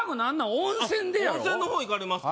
温泉の方行かれますか